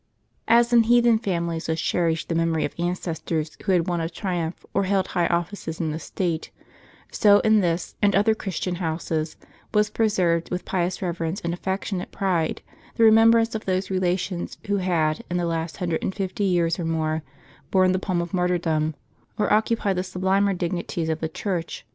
As in heathen families was cherished the memory of ancestors who had won a triumph, or held high offices in the state, so in this, and other Christian houses, was preserved with pious reverence and affectionate pride, the remembrance of those relations who had, in the last hundred and fifty years or more, borne the palm of martyrdom, or occupied the sublimer dignities of the Church.